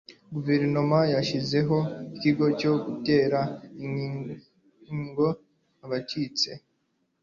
Guverinoma yashyizeho ikigo cyo gutera inkunga abacitse